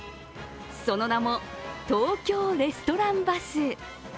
その名も、東京レストランバス。